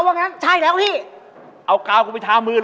แต่อันนี้ถูกสุด